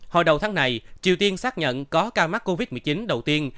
hồi đầu tháng này triều tiên xác nhận có ca mắc covid một mươi chín đầu tiên